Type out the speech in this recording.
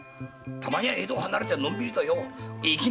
たまには江戸を離れてのんびりと息抜きだな！